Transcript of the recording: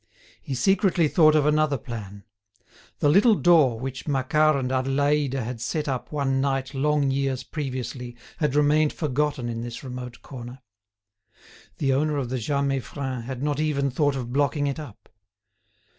He secretly thought of another plan. The little door which Macquart and Adélaïde had set up one night long years previously had remained forgotten in this remote corner. The owner of the Jas Meiffren had not even thought of blocking it up.